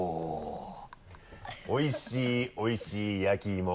おいしいおいしい焼き芋。